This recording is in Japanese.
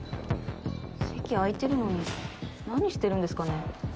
席空いてるのに何してるんですかね？